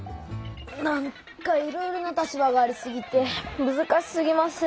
なんかいろいろな立場がありすぎてむずかしすぎます。